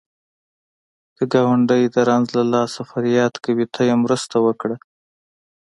که ګاونډی د رنځ له لاسه فریاد کوي، ته یې مرسته وکړه